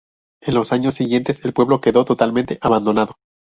En los años siguientes, el pueblo quedó totalmente abandonado.